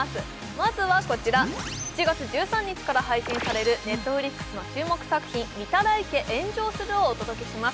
まずはこちら７月１３日から配信されるＮｅｔｆｌｉｘの注目作品「御手洗家、炎上する」をお届けします。